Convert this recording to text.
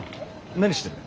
何してる？